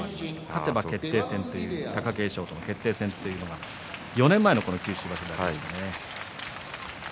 勝てば決定戦という貴景勝との決定戦が４年前の、この九州場所でした。